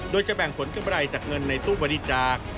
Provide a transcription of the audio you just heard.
โดยจะแบ่งผลกำไรจากเงินในตู้บริจาค